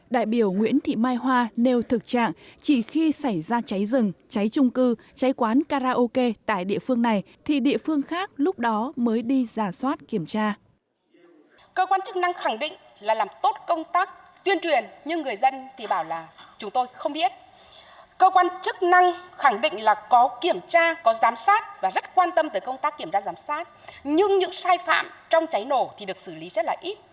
đại biểu nguyễn thị mai hoa nêu thực trạng chỉ khi xảy ra cháy rừng cháy trung cư cháy quán karaoke tại địa phương này thì địa phương khác lúc đó mới đi giả soát kiểm tra